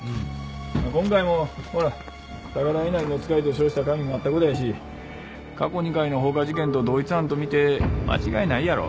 今回もほら高田稲荷の遣いと称した紙もあった事やし過去２回の放火事件と同一犯と見て間違いないやろ。